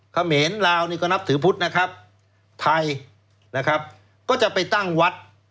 เขมรลาวนี่ก็นับถือพุทธนะครับไทยนะครับก็จะไปตั้งวัด